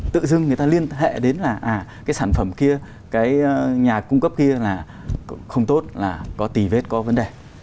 tự dưng người ta liên hệ đến là cái sản phẩm kia cái nhà cung cấp kia là không tốt là có tì vết có vấn đề